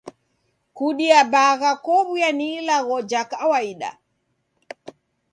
Kudia bagha kowuya ni ilagho ja kawaida.